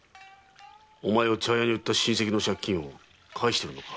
お前を茶屋に売った親戚の借金を返しているのか。